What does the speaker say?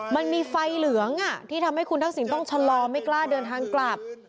มันมีไฟเหลืองที่ทำให้คุณทักษิณต้องชะลอไม่กล้าเดินทางกลับ